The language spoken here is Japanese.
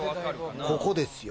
ここですよ。